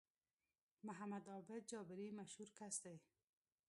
محمد عابد جابري مشهور کس دی